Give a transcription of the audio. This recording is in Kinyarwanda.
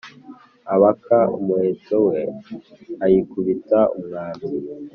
abaka umuheto we, ayikubita umwambi